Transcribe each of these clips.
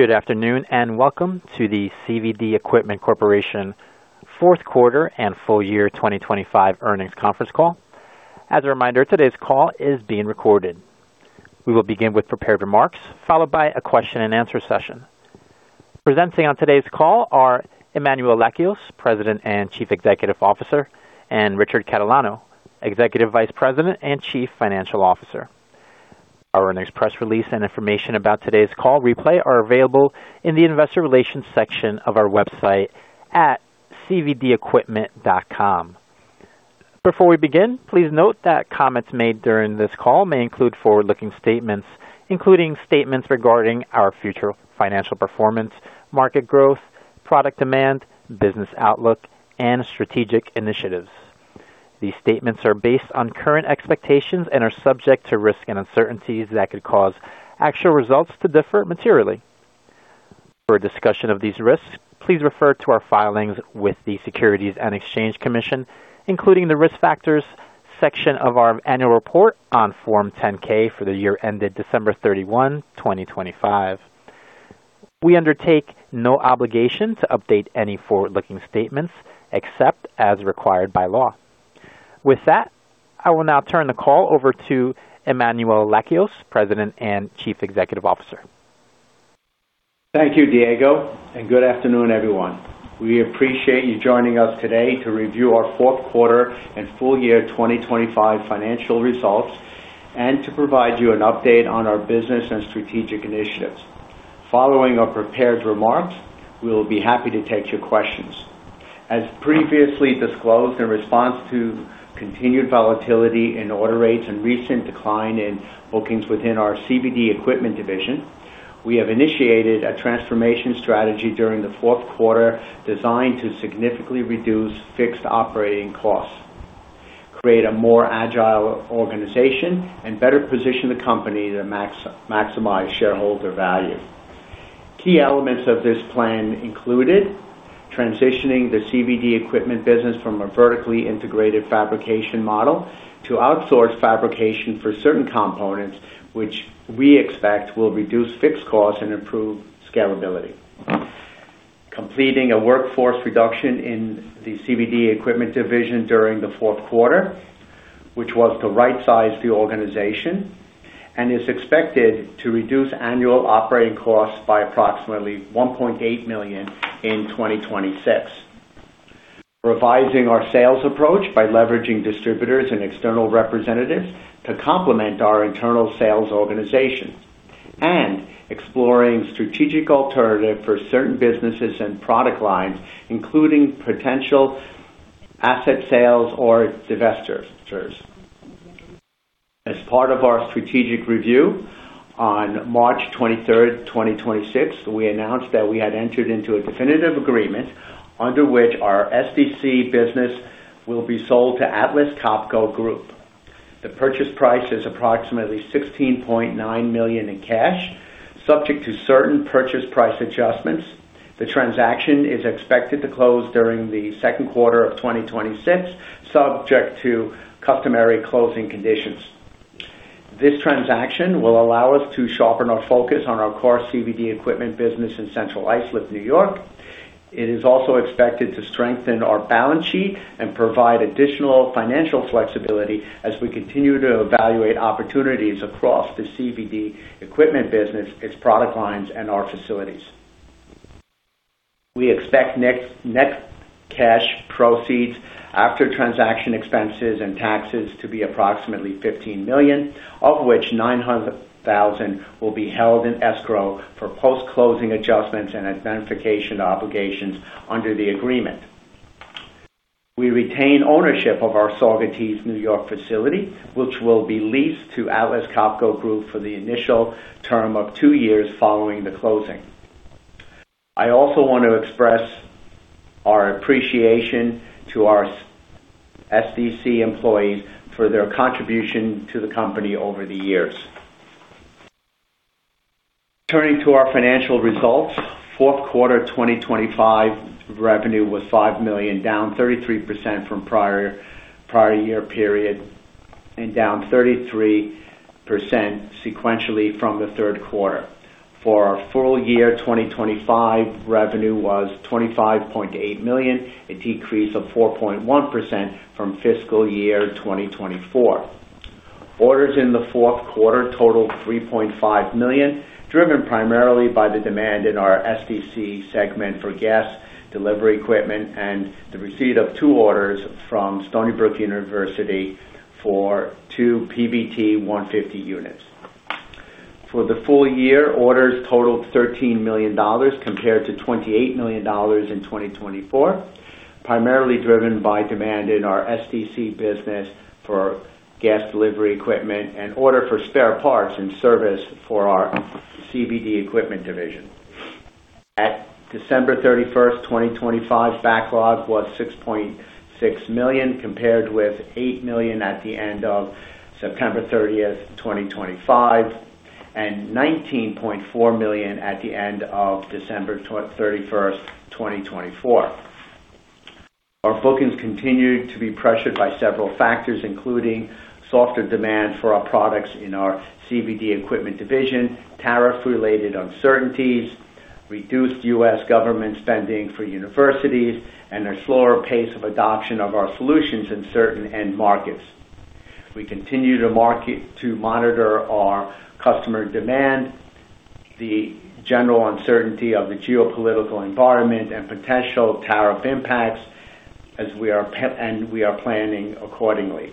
Good afternoon, and welcome to CVD Equipment corporation fourth quarter and full year 2025 earnings conference call. As a reminder, today's call is being recorded. We will begin with prepared remarks, followed by a question-and-answer session. Presenting on today's call are Emmanuel Lakios, President and Chief Executive Officer, and Richard Catalano, Executive Vice President and Chief Financial Officer. Our earnings press release and information about today's call replay are available in the investor relations section of our website at cvdequipment.com. Before we begin, please note that comments made during this call may include forward-looking statements, including statements regarding our future financial performance, market growth, product demand, business outlook, and strategic initiatives. These statements are based on current expectations and are subject to risks and uncertainties that could cause actual results to differ materially. For a discussion of these risks, please refer to our filings with the Securities and Exchange Commission, including the Risk Factors section of our annual report on Form 10-K for the year ended December 31st, 2025. We undertake no obligation to update any forward-looking statements except as required by law. With that, I will now turn the call over to Emmanuel Lakios, President and Chief Executive Officer. Thank you, Diego, and good afternoon, everyone. We appreciate you joining us today to review our fourth quarter and full year 2025 financial results and to provide you an update on our business and strategic initiatives. Following our prepared remarks, we will be happy to take your questions. As previously disclosed, in response to continued volatility in order rates and recent decline in bookings within our CVD Equipment division, we have initiated a transformation strategy during the fourth quarter designed to significantly reduce fixed operating costs, create a more agile organization, and better position the company to maximize shareholder value. Key elements of this plan included transitioning the CVD Equipment business from a vertically integrated fabrication model to outsource fabrication for certain components, which we expect will reduce fixed costs and improve scalability. Completing a workforce reduction in the CVD Equipment division during the fourth quarter, which was to rightsize the organization and is expected to reduce annual operating costs by approximately $1.8 million in 2026. Revising our sales approach by leveraging distributors and external representatives to complement our internal sales organization and exploring strategic alternatives for certain businesses and product lines, including potential asset sales or divestitures. As part of our strategic review, on March 23rd, 2026, we announced that we had entered into a definitive agreement under which our SDC business will be sold to Atlas Copco Group. The purchase price is approximately $16.9 million in cash, subject to certain purchase price adjustments. The transaction is expected to close during the second quarter of 2026, subject to customary closing conditions. This transaction will allow us to sharpen our focus on our core CVD Equipment business in Central Islip, New York. It is also expected to strengthen our balance sheet and provide additional financial flexibility as we continue to evaluate opportunities across the CVD Equipment business, its product lines, and our facilities. We expect net cash proceeds after transaction expenses and taxes to be approximately $15 million, of which $900,000 will be held in escrow for post-closing adjustments and indemnification obligations under the agreement. We retain ownership of our Saugerties, New York facility, which will be leased to Atlas Copco Group for the initial term of two years following the closing. I also want to express our appreciation to our SDC employees for their contribution to the company over the years. Turning to our financial results. Fourth quarter 2025 revenue was $5 million, down 33% from prior year period and down 33% sequentially from the third quarter. For our full year 2025, revenue was $25.8 million, a decrease of 4.1% from fiscal year 2024. Orders in the fourth quarter totaled $3.5 million, driven primarily by the demand in our SDC segment for gas delivery equipment and the receipt of two orders from Stony Brook University for two PVT150 units. For the full year, orders totaled $13 million compared to $28 million in 2024, primarily driven by demand in our SDC business for gas delivery equipment and order for spare parts and service for our CVD Equipment division. December 31st, 2025, backlog was $6.6 million, compared with $8 million at the end September 30th, 2025, and $19.4 million at the end December 31st, 2024. our bookings continued to be pressured by several factors, including softer demand for our products in our CVD Equipment division, tariff-related uncertainties, reduced U.S. government spending for universities, and a slower pace of adoption of our solutions in certain end markets. We continue to monitor our customer demand, the general uncertainty of the geopolitical environment and potential tariff impacts as we are planning accordingly.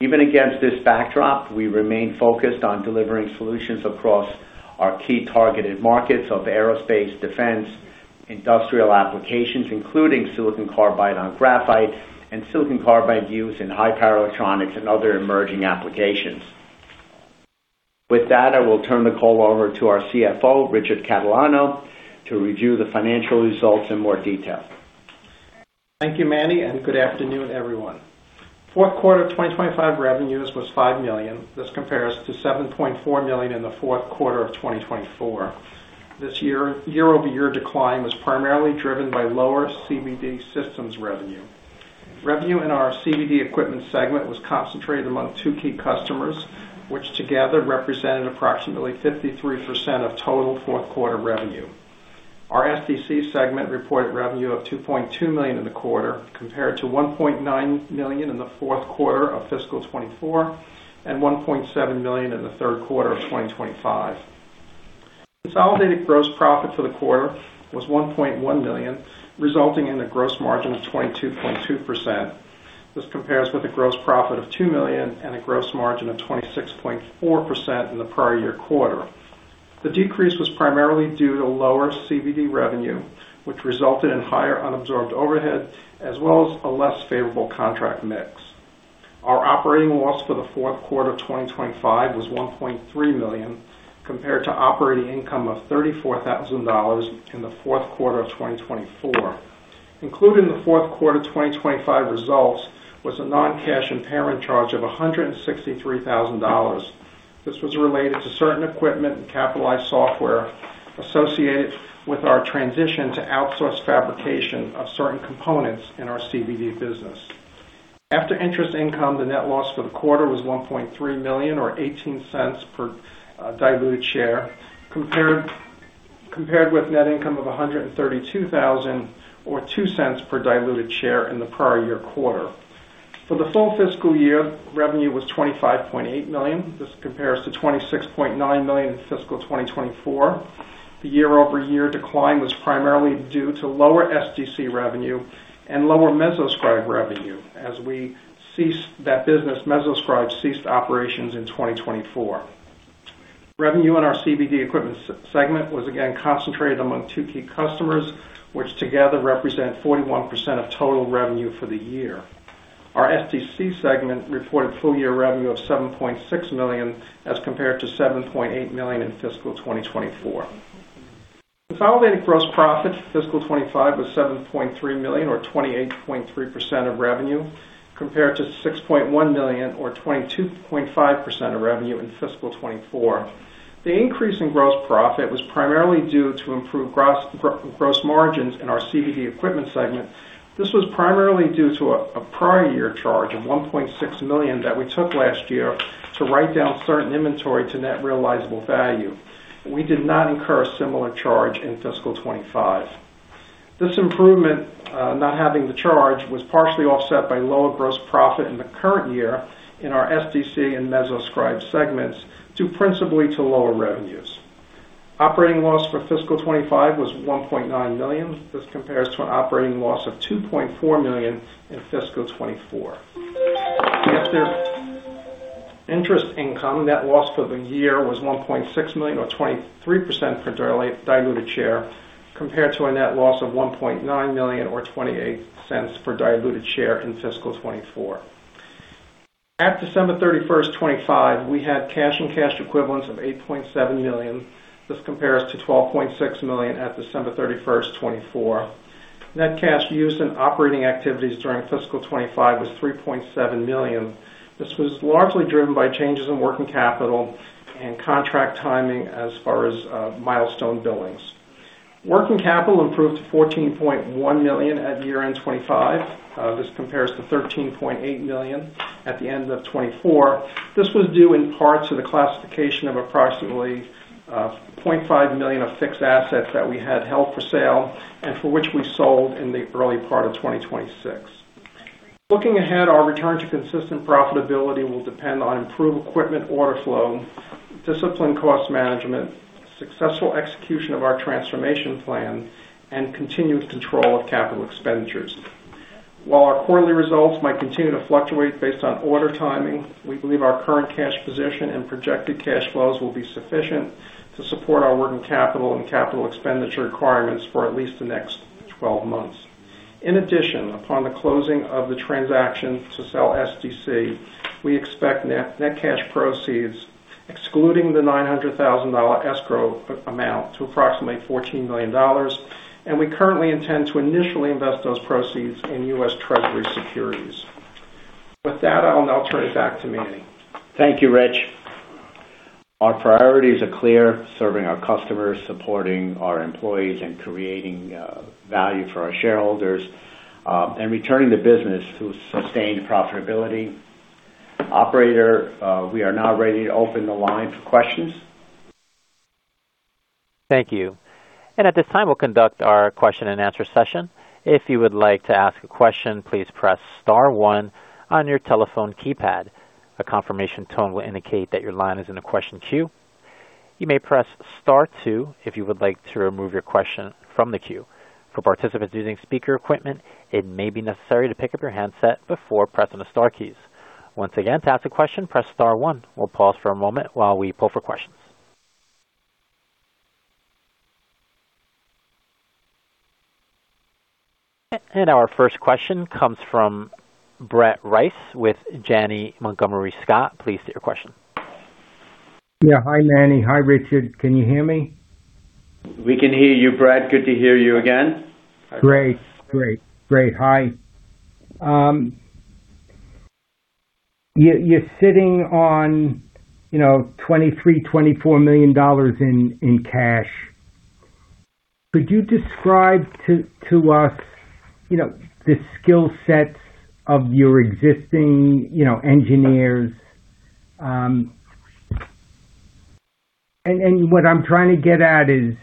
Even against this backdrop, we remain focused on delivering solutions across our key targeted markets of aerospace, defense, industrial applications, including silicon carbide on graphite and silicon carbide use in high power electronics and other emerging applications. With that, I will turn the call over to our CFO, Richard Catalano, to review the financial results in more detail. Thank you, Manny, and good afternoon, everyone. Fourth quarter of 2025 revenues was $5 million. This compares to $7.4 million in the fourth quarter of 2024. This year-over-year decline was primarily driven by lower CVD Systems revenue. Revenue in our CVD Equipment segment was concentrated among two key customers, which together represented approximately 53% of total fourth quarter revenue. Our SDC segment reported revenue of $2.2 million in the quarter, compared to $1.9 million in the fourth quarter of fiscal 2024 and $1.7 million in the third quarter of 2025. Consolidated gross profit for the quarter was $1.1 million, resulting in a gross margin of 22.2%. This compares with a gross profit of $2 million and a gross margin of 26.4% in the prior year quarter. The decrease was primarily due to lower CVD revenue, which resulted in higher unabsorbed overhead as well as a less favorable contract mix. Our operating loss for the fourth quarter of 2025 was $1.3 million, compared to operating income of $34,000 in the fourth quarter of 2024. Included in the fourth quarter of 2025 results was a non-cash impairment charge of $163,000. This was related to certain equipment and capitalized software associated with our transition to outsource fabrication of certain components in our CVD business. After interest income, the net loss for the quarter was $1.3 million or $0.18 per diluted share, compared with net income of $132,000 or $0.02 per diluted share in the prior year quarter. For the full fiscal year, revenue was $25.8 million. This compares to $26.9 million in fiscal 2024. The year-over-year decline was primarily due to lower SDC revenue and lower MesoScribe revenue as we ceased that business. MesoScribe ceased operations in 2024. Revenue in our CVD Equipment segment was again concentrated among two key customers, which together represent 41% of total revenue for the year. Our SDC segment reported full year revenue of $7.6 million as compared to $7.8 million in fiscal 2024. Consolidated gross profit for fiscal 2025 was $7.3 million or 28.3% of revenue, compared to $6.1 million or 22.5% of revenue in fiscal 2024. The increase in gross profit was primarily due to improved gross margins in our CVD Equipment segment. This was primarily due to a prior year charge of $1.6 million that we took last year to write down certain inventory to net realizable value. We did not incur a similar charge in fiscal 2025. This improvement, not having the charge, was partially offset by lower gross profit in the current year in our SDC and MesoScribe segments due principally to lower revenues. Operating loss for fiscal 2025 was $1.9 million. This compares to an operating loss of $2.4 million in fiscal 2024. After interest income, net loss for the year was $1.6 million or $0.23 per diluted share, compared to a net loss of $1.9 million or $0.28 per diluted share in fiscal 2024. At December 31st, 2025, we had cash and cash equivalents of $8.7 million. This compares to $12.6 million at December 31st, 2024. Net cash used in operating activities during fiscal 2025 was $3.7 million. This was largely driven by changes in working capital and contract timing as far as milestone billings. Working capital improved to $14.1 million at year-end 2025. This compares to $13.8 million at the end of 2024. This was due in part to the classification of approximately $0.5 million of fixed assets that we had held for sale and for which we sold in the early part of 2026. Looking ahead, our return to consistent profitability will depend on improved equipment order flow, disciplined cost management, successful execution of our transformation plan, and continued control of capital expenditures. While our quarterly results might continue to fluctuate based on order timing, we believe our current cash position and projected cash flows will be sufficient to support our working capital and capital expenditure requirements for at least the next 12 months. In addition, upon the closing of the transaction to sell SDC, we expect net net cash proceeds, excluding the $900,000 escrow amount, to approximately $14 million, and we currently intend to initially invest those proceeds in U.S. Treasury securities. With that, I'll now turn it back to Manny. Thank you, Rich. Our priorities are clear: serving our customers, supporting our employees, and creating value for our shareholders, and returning the business to sustained profitability. Operator, we are now ready to open the line for questions. Thank you. At this time, we'll conduct our question and answer session. If you would like to ask a question, please press star one on your telephone keypad. A confirmation tone will indicate that your line is in the question queue. You may press star two if you would like to remove your question from the queue. For participants using speaker equipment, it may be necessary to pick up your handset before pressing the star keys. Once again, to ask a question, press star one. We'll pause for a moment while we pool for questions. Our first question comes from Brett Reiss with Janney Montgomery Scott. Please state your question. Yeah. Hi, Manny. Hi, Richard. Can you hear me? We can hear you, Brett. Good to hear you again. Great. Hi. You're sitting on, you know, $23 million, $24 million in cash. Could you describe to us, you know, the skill sets of your existing, you know, engineers? And what I'm trying to get at is,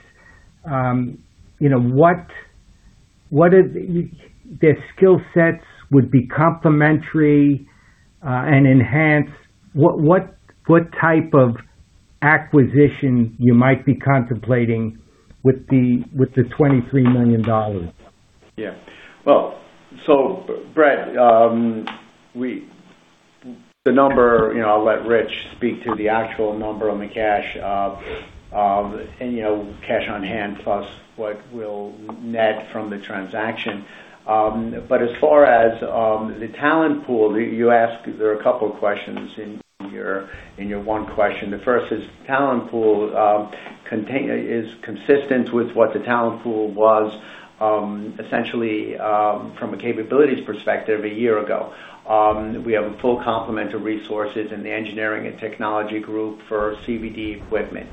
you know, what their skill sets would be complementary and enhance what type of acquisition you might be contemplating with the $23 million? Yeah. Well, Brett, the number, you know, I'll let Rich speak to the actual number on the cash, and, you know, cash on hand plus what we'll net from the transaction. But as far as the talent pool, you asked, there are a couple of questions in your one question. The first is talent pool, is consistent with what the talent pool was, essentially, from a capabilities perspective a year ago. We have a full complement of resources in the engineering and technology group for CVD Equipment,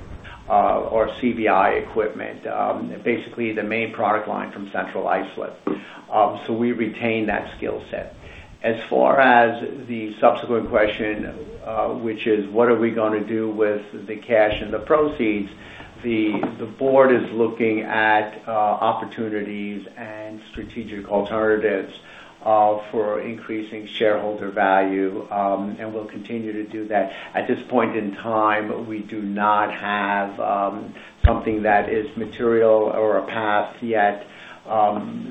or CVI equipment, basically the main product line from Central Islip. We retain that skill set. As far as the subsequent question, which is what are we gonna do with the cash and the proceeds, the board is looking at opportunities and strategic alternatives for increasing shareholder value, and we'll continue to do that. At this point in time, we do not have something that is material or a path yet.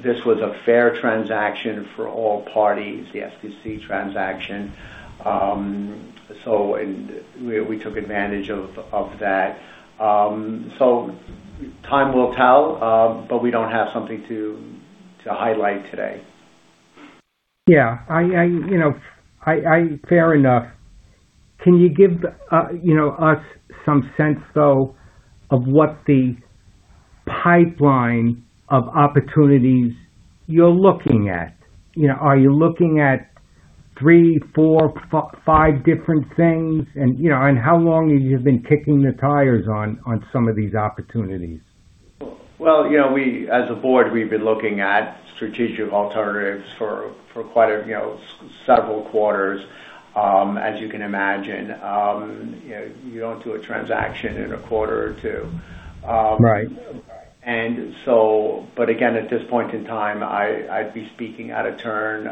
This was a fair transaction for all parties, the SDC transaction, so we took advantage of that. Time will tell, but we don't have something to highlight today. Yeah. Fair enough. Can you give, you know, us some sense, though, of what the pipeline of opportunities you're looking at? You know, are you looking at three, four, five different things? You know, how long have you been kicking the tires on some of these opportunities? Well, you know, we as a board, we've been looking at strategic alternatives for quite a, you know, several quarters, as you can imagine. You know, you don't do a transaction in a quarter or two. Right. Again, at this point in time, I'd be speaking out of turn.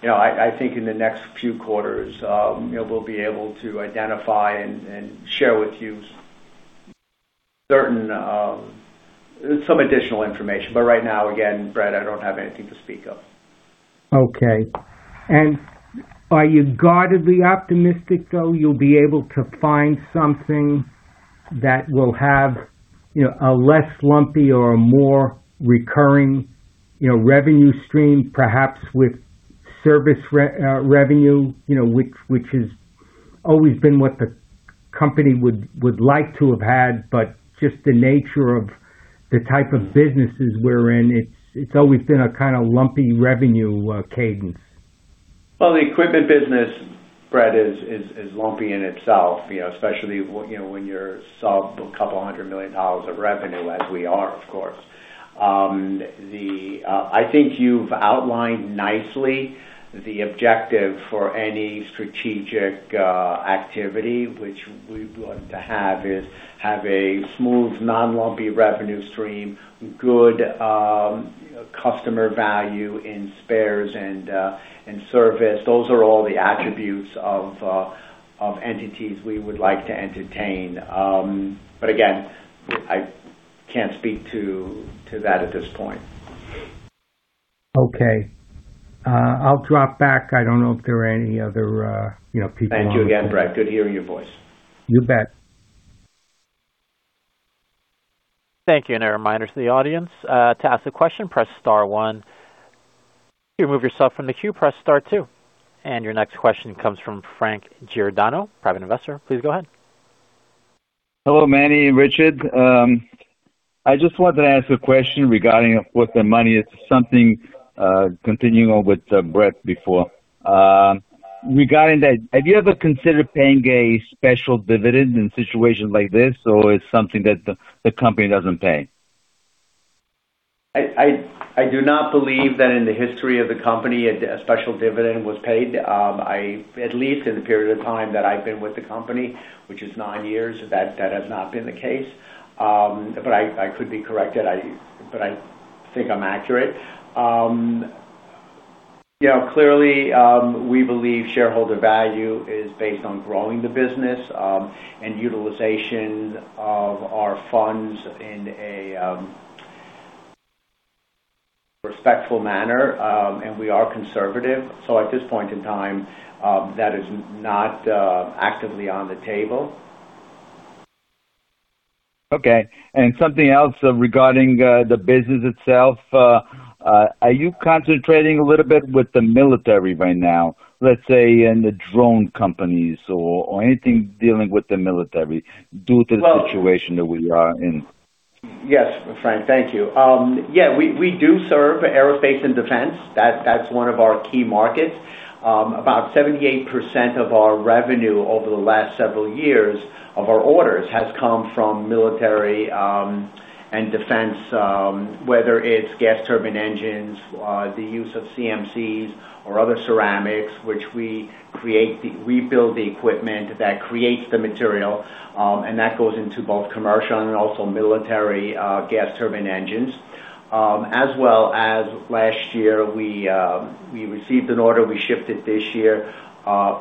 You know, I think in the next few quarters, you know, we'll be able to identify and share with you certain, some additional information. But right now, again, Brett, I don't have anything to speak of. Okay. Are you guardedly optimistic, though, you'll be able to find something that will have, you know, a less lumpy or a more recurring, you know, revenue stream, perhaps with service revenue, you know, which has always been what the company would like to have had, but just the nature of the type of businesses we're in, it's always been a kinda lumpy revenue cadence. Well, the equipment business, Brett, is lumpy in itself, you know, especially you know, when you're sub-$200 million of revenue as we are, of course. I think you've outlined nicely the objective for any strategic activity, which we'd like to have is a smooth, non-lumpy revenue stream, good customer value in spares and in service. Those are all the attributes of entities we would like to entertain. Again, I can't speak to that at this point. Okay. I'll drop back. I don't know if there are any other, you know, people on the- Thank you again, Brett. Good to hear your voice. You bet. Thank you, and a reminder to the audience, to ask a question, press star one. To remove yourself from the queue, press star two. Your next question comes from Frank Giordano, Private Investor. Please go ahead. Hello, Manny and Richard. I just wanted to ask a question regarding with the money. It's something continuing on with Brett before. Regarding that, have you ever considered paying a special dividend in situations like this, or is it something that the company doesn't pay? I do not believe that in the history of the company a special dividend was paid. I at least in the period of time that I've been with the company, which is nine years, that has not been the case. I could be corrected. I think I'm accurate. You know, clearly, we believe shareholder value is based on growing the business, and utilization of our funds in a respectful manner. We are conservative. At this point in time, that is not actively on the table. Okay. Something else regarding the business itself. Are you concentrating a little bit with the military right now, let's say in the drone companies or anything dealing with the military due to the situation that we are in? Yes, Frank, thank you. Yeah, we do serve aerospace and defense. That's one of our key markets. About 78% of our revenue over the last several years of our orders has come from military and defense, whether it's gas turbine engines, the use of CMCs or other ceramics, which we build the equipment that creates the material, and that goes into both commercial and also military gas turbine engines. As well as last year, we received an order we shipped it this year.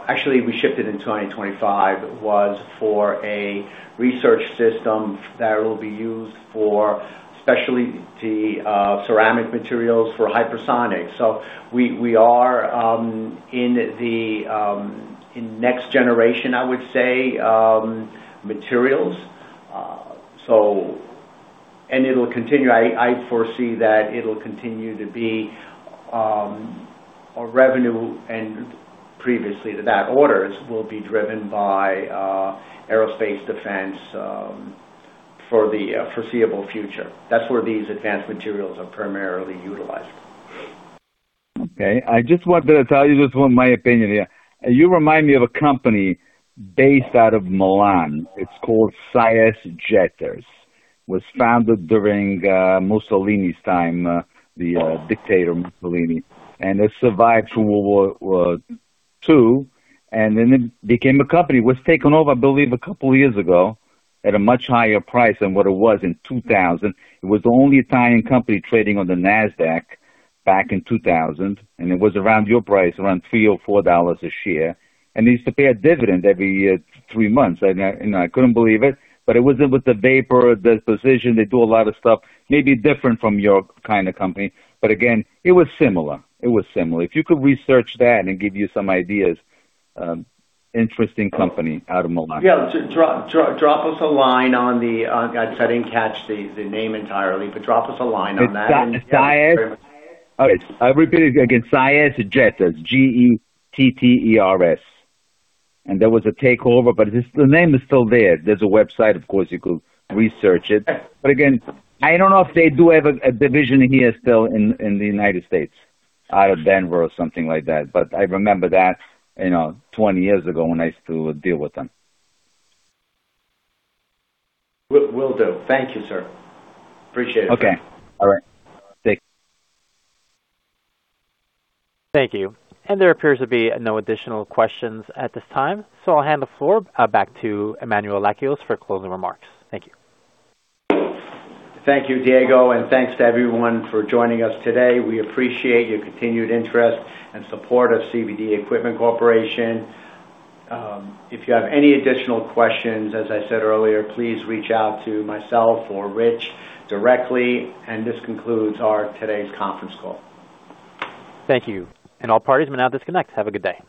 Actually, we shipped it in 2025, was for a research system that will be used for especially the ceramic materials for hypersonic. So we are in next generation, I would say, materials. It'll continue. I foresee that it'll continue to be our revenue and previously to that orders will be driven by aerospace defense for the foreseeable future. That's where these advanced materials are primarily utilized. Okay. I just wanted to tell you just from my opinion here. You remind me of a company based out of Milan. It's called SAES Getters. It was founded during Mussolini's time, the dictator Mussolini. It survived World War II, then it became a company. It was taken over, I believe, a couple of years ago at a much higher price than what it was in 2000. It was the only Italian company trading on the Nasdaq back in 2000, and it was around your price, around $3 or $4 a share. They used to pay a dividend every year, three months. You know, I couldn't believe it, but it was with the vapor, the precision. They do a lot of stuff, maybe different from your kind of company. Again, it was similar. If you could research that and it'd give you some ideas, interesting company out of Milan. Yeah. Drop us a line on the, I didn't catch the name entirely, but drop us a line on that. It's SAES. Sias? Oh, I'll repeat it again. SAES Getters. G-E-T-T-E-R-S. There was a takeover, but it's the name is still there. There's a website, of course, you could research it. But again, I don't know if they do have a division here still in the United States, out of Denver or something like that. But I remember that, you know, 20 years ago when I used to deal with them. Will do. Thank you, sir. Appreciate it. Okay. All right. Thanks. Thank you. There appears to be no additional questions at this time. I'll hand the floor back to Emmanuel Lakios for closing remarks. Thank you. Thank you, Diego, and thanks to everyone for joining us today. We appreciate your continued interest and support of CVD Equipment Corporation. If you have any additional questions, as I said earlier, please reach out to myself or Rich directly. This concludes our today's conference call. Thank you. All parties may now disconnect. Have a good day.